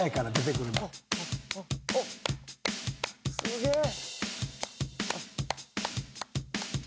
すげえ。